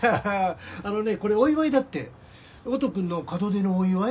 あのねこれお祝いだって音くんの門出のお祝い？